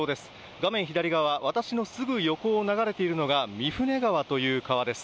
画面左側、私のすぐ横を流れているのが御船川という川です。